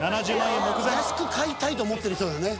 安く買いたいと思ってる人だね。